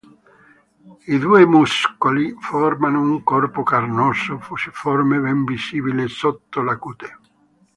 I due muscoli formano un corpo carnoso fusiforme ben visibile sotto la cute.